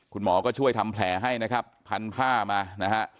คุณหมอก็ช่วยทำแผลให้นะครับพันผ้ามานะฮะ